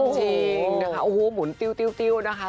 จริงนะคะโอ้โหหมุนติ้วนะคะ